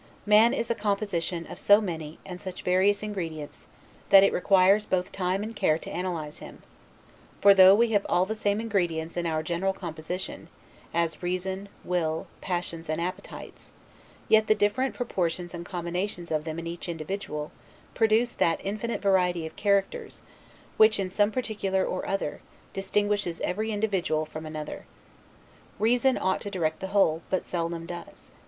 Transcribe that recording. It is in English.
Man is a composition of so many, and such various ingredients, that it requires both time and care to analyze him: for though we have all the same ingredients in our general composition, as reason, will, passions, and appetites; yet the different proportions and combinations of them in each individual, produce that infinite variety of characters, which, in some particular or other, distinguishes every individual from another. Reason ought to direct the whole, but seldom does.